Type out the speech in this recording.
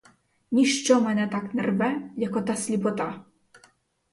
Ніщо мене так не рве, як ота сліпота!